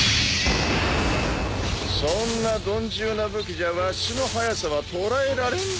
そんな鈍重な武器じゃわしの速さは捉えられんでしょうが。